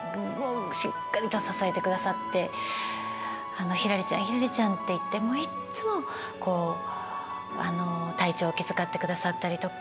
しっかりと支えてくださってひらりちゃん、ひらりちゃんって言って、いつも体調を気遣ってくださったりとか。